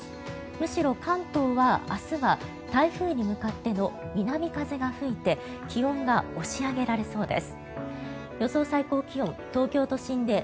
むしろ関東は明日は台風に向かって南風が吹いて気温が押し上げられそうです。